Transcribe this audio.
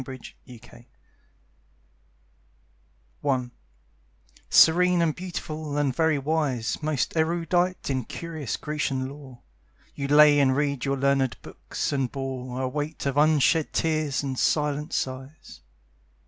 In Memory I Serene and beautiful and very wise, Most erudite in curious Grecian lore, You lay and read your learned books, and bore A weight of unshed tears and silent sighs.